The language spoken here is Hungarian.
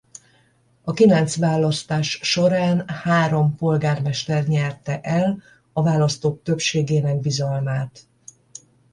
A kilenc választás során három polgármester nyerte el a választók többségének bizalmát.